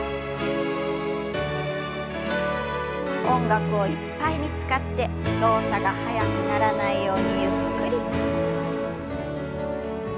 音楽をいっぱいに使って動作が速くならないようにゆっくりと。